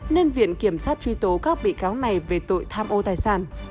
nên viện kiểm sát truy tố các bị cáo này về tội tham ô tài sản